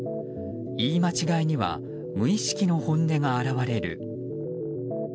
言い間違いには無意識の本音が表れる。